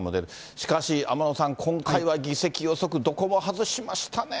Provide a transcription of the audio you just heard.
しかし天野さん、今回は議席予測、どこも外しましたね。